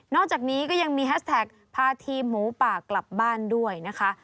อกจากนี้ก็ยังมีแฮสแท็กพาทีมหมูป่ากลับบ้านด้วยนะคะ